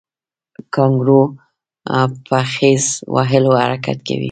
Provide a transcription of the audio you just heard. کانګارو په خیز وهلو حرکت کوي